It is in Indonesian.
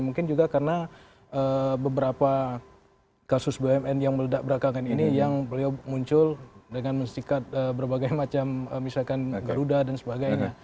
mungkin juga karena beberapa kasus bumn yang meledak berakangan ini yang beliau muncul dengan mensikat berbagai macam misalkan garuda dan sebagainya